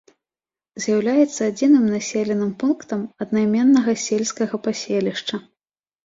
З'яўляецца адзіным населеным пунктам аднайменнага сельскага паселішча.